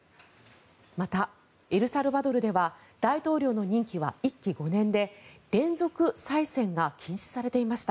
また、エルサルバドルでは大統領の任期は１期５年で連続再選が禁止されていました。